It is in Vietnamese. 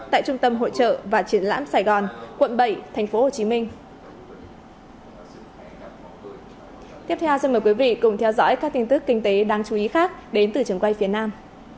tại trung tâm hội trợ và triển lãm sài gòn quận bảy thành phố hồ chí minh